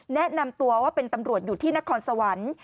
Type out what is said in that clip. แนะนำตัวว่าเป็นตำรวจอยู่ที่นครสวรรค์